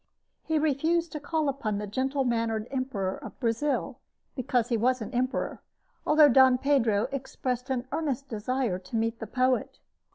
He refused to call upon the gentle mannered Emperor of Brazil, because he was an emperor; although Dom Pedro expressed an earnest desire to meet the poet.